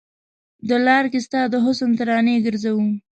د لار کې ستا د حسن ترانې ګرځو